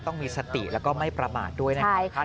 ต้องมีสติแล้วก็ไม่ประมาทด้วยนะครับ